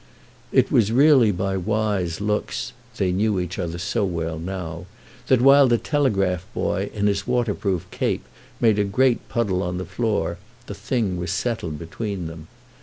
It was really by wise looks—they knew each other so well now—that, while the telegraph boy, in his waterproof cape, made a great puddle on the floor, the thing was settled between them.